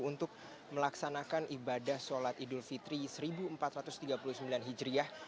untuk melaksanakan ibadah sholat idul fitri seribu empat ratus tiga puluh sembilan hijriah